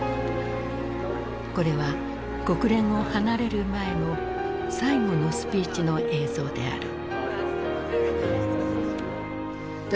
これは国連を離れる前の最後のスピーチの映像である。